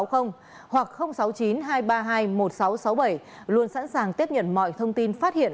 hoặc sáu mươi chín hai trăm ba mươi hai một nghìn sáu trăm sáu mươi bảy luôn sẵn sàng tiếp nhận mọi thông tin phát hiện